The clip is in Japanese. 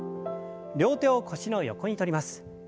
両手を腰の横にとります。